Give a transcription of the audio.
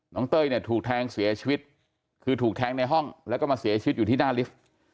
เต้ยเนี่ยถูกแทงเสียชีวิตคือถูกแทงในห้องแล้วก็มาเสียชีวิตอยู่ที่หน้าลิฟท์